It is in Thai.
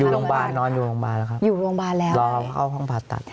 อยู่โรงพยาบาลนอนอยู่โรงพยาบาลแล้วครับรอเข้าห้องผ่าตัด